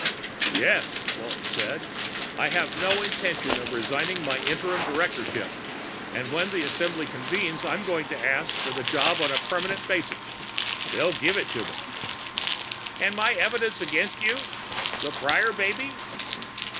"Yes," Walton said. "I have no intention of resigning my interim directorship, and when the Assembly convenes I'm going to ask for the job on a permanent basis. They'll give it to me." "And my evidence against you? The Prior baby?"